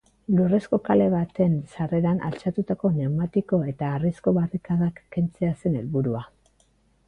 Lurrezko kale baten sarreran altxatutako pneumatiko eta harrizko barrikadak kentzea zen helburua.